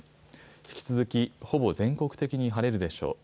引き続きほぼ全国的に晴れるでしょう。